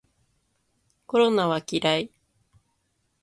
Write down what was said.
コロナは嫌い